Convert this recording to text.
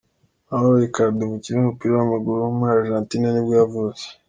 Mauro Icardi, umukinnyi w’umupira w’amaguru wo muri Argentine nibwo yavutse.